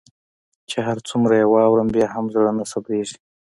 چي هر څومره يي واورم بيا هم زړه نه صبریږي